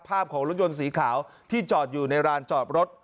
ภาพของรถยนต์สีขาวที่จอดอยู่ในร้านจอดรถ